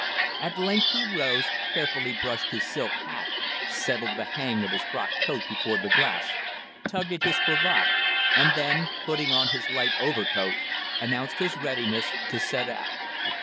At length he rose, carefully brushed his silk hat, settled the hang of his frock coat before the glass, tugged at his cravat, and then, putting on his light overcoat, announced his readiness to set out.